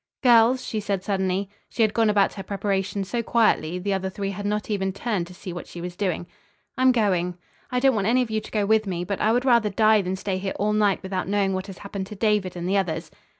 "Girls," she said suddenly. She had gone about her preparations so quietly the other three had not even turned to see what she was doing. "I'm going. I don't want any of you to go with me, but I would rather die than stay here all night without knowing what has happened to David and the others."